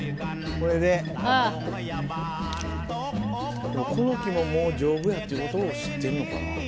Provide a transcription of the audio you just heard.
この木ももう丈夫やっていうことを知ってんのかな。